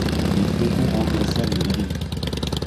Les flocons remplacèrent les grêlons.